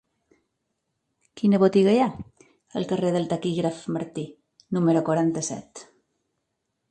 Quina botiga hi ha al carrer del Taquígraf Martí número quaranta-set?